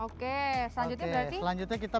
oke selanjutnya berarti kita